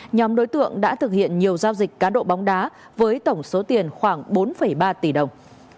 nhóm đối tượng đã thực hiện nhiều giao dịch cá độ bóng đá với tổng số tiền khoảng bốn ba tỷ đồng